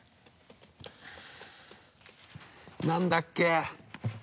何だっけ？